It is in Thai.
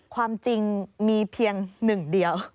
ความจริงมีเพียงหนึ่งเดียว